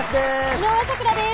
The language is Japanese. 井上咲楽です